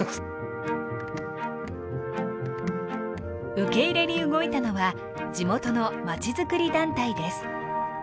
受け入れに動いたのは地元のまちづくり団体です。